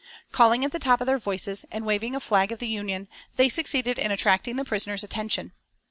Calling at the top of their voices and waving a flag of the Union, they succeeded in attracting the prisoners' attention.